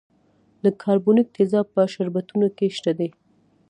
د کاربونیک تیزاب په شربتونو کې شته دی.